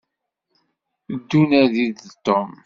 Ddu nadi-d Tom.